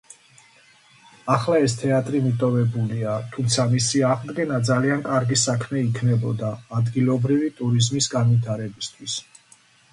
ახლა ეს თეატრი მიტოვებულია, თუმცა მისი აღდგენა ძალიან კარგი საქმე იქნებოდა ადგილობრივი ტურიზმის განვითარებისთვის.